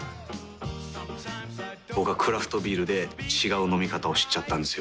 僕はクラフトビールで違う飲み方を知っちゃったんですよ。